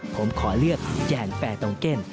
ผมขอเลือกแยนแฟร์ตองเก็น